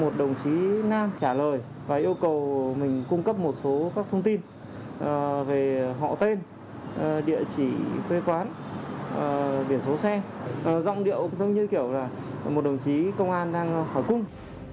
một đồng chí nam trả lời và yêu cầu mình cung cấp một số các thông tin về họ tên địa chỉ quê quán biển số xe giọng điệu giống như kiểu là một đồng chí công an đang hỏi cung